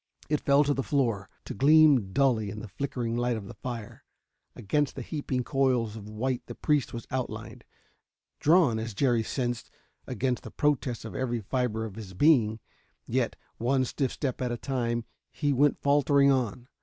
It fell to the floor, to gleam dully in the flickering light of the fire. Against the heaping coils of white the priest was outlined, drawn, as Jerry sensed, against the protest of every fiber of his being. Yet, one stiff step at a time, he went faltering on.